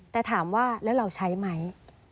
แต่ถามว่าแล้วเราใช้ไหม